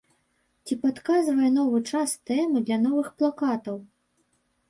Ці падказвае новы час тэмы для новых плакатаў?